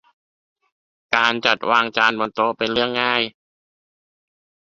การจัดวางจานบนโต๊ะเป็นเรื่องง่าย